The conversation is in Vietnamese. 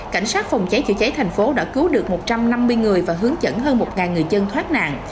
cảnh sát phòng cháy chữa cháy thành phố đã cứu được một trăm năm mươi người và hướng dẫn hơn một người dân thoát nạn